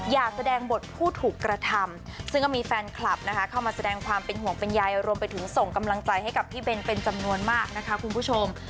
อยากแสดงบทผู้ถูกกระทำซึ่งก็มีแฟนคลับนะคะเข้ามาแสดงความเป็นห่วงเป็นใยรวมไปถึงส่งกำลังใจให้กับพี่เบนเป็นจำนวนมากนะคะคุณผู้ชม